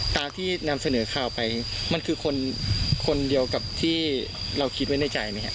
ตามที่นำเสนอข่าวไปมันคือคนคนเดียวกับที่เราคิดไว้ในใจไหมครับ